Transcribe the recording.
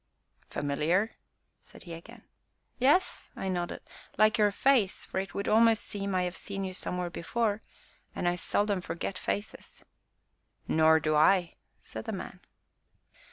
"Familiar?" said he again. "Yes," I nodded; "like your face, for it would almost seem that I have seen you somewhere before, and I seldom forget faces." "Nor do I!" said the man.